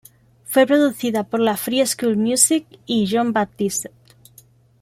Fue producida por la Free School Music y Jean Baptiste.